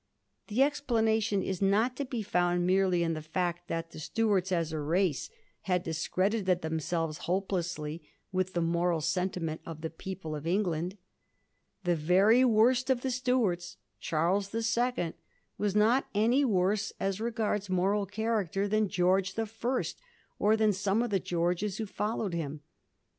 The explanation is not to be found merely m the fact that the Stuarts, as a race, had discredited VOL. I. G Digiti zed by Google S2 A HISTORY OF THE FOUR GBORaES. oh. it. themselves hopelessly with the moral sentiment of the people of England. The very worst of the StuartSy Charles the Second, was not any worse as regards moral character than George the First, or than some of the Georges who followed him.